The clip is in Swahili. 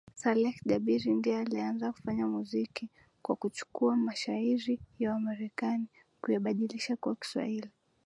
Saleh Jabir ndiye alianza kufanya muziki kwa kuchukua mashairi ya wamarekani kuyabadilisha kuwa kiswahili